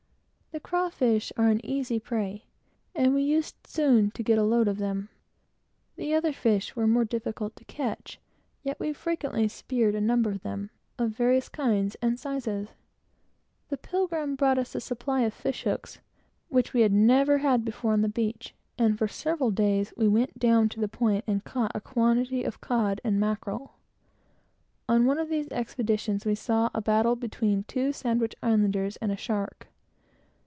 The craw fish are an easy prey, and we used soon to get a load of them. The other fish were more difficult to catch, yet we frequently speared a number of them, of various kinds and sizes. The Pilgrim brought us down a supply of fish hooks, which we had never had before, on the beach, and for several days we went down to the Point, and caught a quantity of cod and mackerel. On one of these expeditions, we saw a battle between two Sandwich Islanders and a shark.